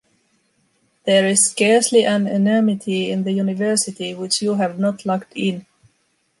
There is scarcely an enormity in the university which you have not lugged in.